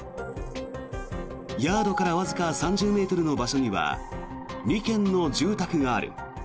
ヤードからわずか３０ｍの場所には２軒の住宅がある。